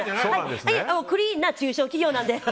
クリーンな中小企業なので。